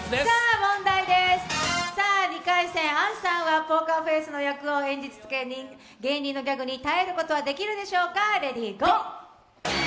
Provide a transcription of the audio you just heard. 問題です、２回戦、杏さんはポーカーフェースの役を演じ続け芸人のギャグに耐えることはできるでしょうか？